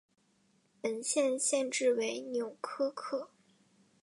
本县县治为纽柯克。